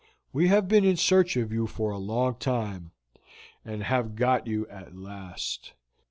We have been in search of you for a long time, and have got you at last.